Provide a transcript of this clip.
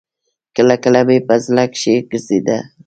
کله کله مې په زړه کښې ګرځېده.